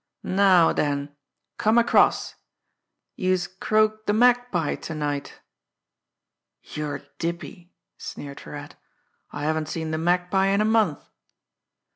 "Now den, come across! Youse croaked de Magpie ter night!" "You're dippy!" sneered Virat. "I haven't seen the Magpie in a month."